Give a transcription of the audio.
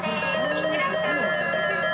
いってらっしゃい！